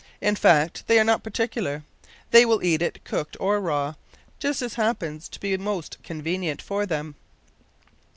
In fact, they are not particular. They will eat it cooked or raw just as happens to be most convenient for them.